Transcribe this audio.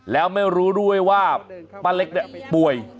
แล้วไม่รู้ด้วยว่าป้าเล็กเนี่ยป่วย